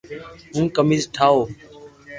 ھون قميس ٺاو